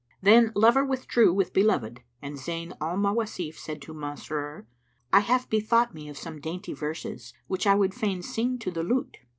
Then lover withdrew with beloved and Zayn al Mawasif said to Masrur, "I have bethought me of some dainty verses, which I would fain sing to the lute."